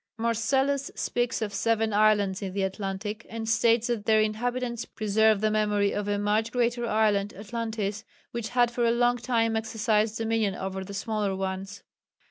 Marcellus speaks of seven islands in the Atlantic, and states that their inhabitants preserve the memory of a much greater island, Atlantis, "which had for a long time exercised dominion over the smaller ones."